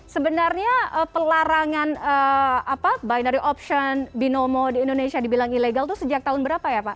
sebenarnya pelarangan binary option binomo di indonesia dibilang ilegal itu sejak tahun berapa ya pak